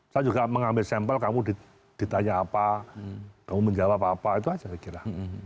saya juga mengambil sampel kamu ditanya apa kamu menjawab apa apa itu aja saya kira